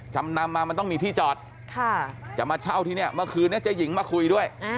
จำนำมามันต้องมีที่จอดจะมาเช่าที่เนี่ยเมื่อคืนนี้เจ๊หญิงมาคุยด้วย